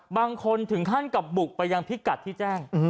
บางคนถึงขั้นกับบุกไปยังพิกัดที่แจ้ง